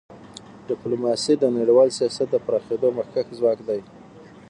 ډیپلوماسي د نړیوال سیاست د پراخېدو مخکښ ځواک دی.